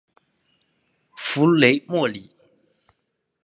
弗雷默里。